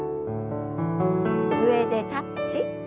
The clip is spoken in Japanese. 上でタッチ。